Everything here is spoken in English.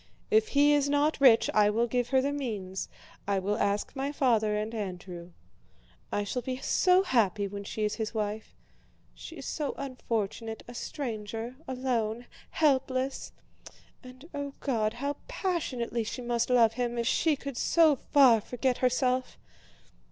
If he is not rich I will give her the means; I will ask my father and Andrew. I shall be so happy when she is his wife. She is so unfortunate, a stranger, alone, helpless! And, oh God, how passionately she must love him if she could so far forget herself!